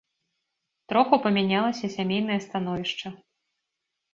Троху памянялася сямейнае становішча.